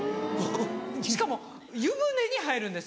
しかも湯船に入るんです。